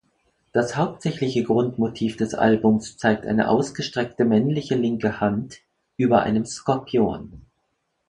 Das hauptsächliche Grundmotiv des Albums zeigt eine ausgestreckte männliche linke Hand über einem Skorpion.